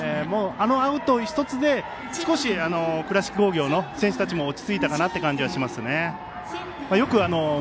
あのアウト１つで少し倉敷工業の選手たちも落ち着いたかなという感じがしますね。